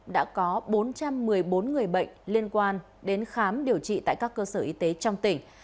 đã có bốn trăm một mươi bốn người bệnh liên quan đến khám điều trị tại các cơ sở y tế trong tỉnh